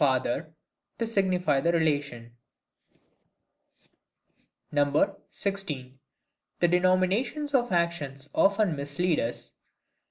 FATHER, to signify the relation. 16. The Denominations of Actions often mislead us.